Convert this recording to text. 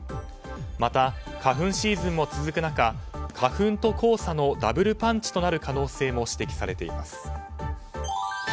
また、花粉シーズンも続く中花粉と黄砂のダブルパンチとなる可能性も指摘されています。